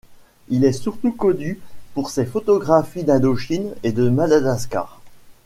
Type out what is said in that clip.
Il est surtout connu pour ses photographies d'Indochine et de Madagascar.